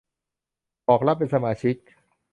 บอกรับเป็นสมาชิก